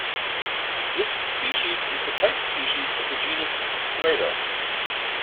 This species is the type species of the genus "Teredo".